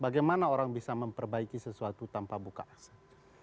bagaimana orang bisa memperbaiki sesuatu tanpa buka aksa